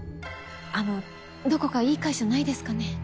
あのどこかいい会社ないですかね？